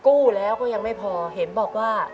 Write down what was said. กู้แล้วก็ยังไม่พอเห็นบอกว่า